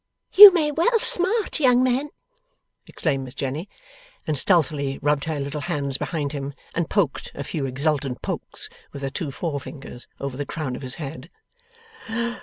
'You may well smart, young man!' exclaimed Miss Jenny. And stealthily rubbed her little hands behind him, and poked a few exultant pokes with her two forefingers over the crown of his head.